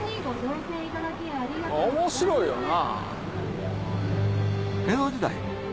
面白いよな。